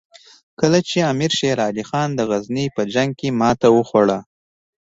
کله چې امیر شېر علي خان د غزني په جنګ کې ماته وخوړه.